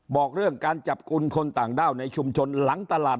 บอกเรื่องการจับกลุ่มคนต่างด้าวในชุมชนหลังตลาด